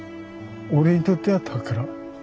俺にとっては宝。